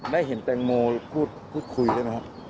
ได้เห็นแตงโมพูดคุยด้วยไหมครับ